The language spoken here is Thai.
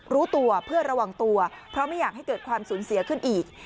รู้ตัวเพื่อระวังตัวเพราะไม่อยากให้เกิดความสูญเสียขึ้นอีก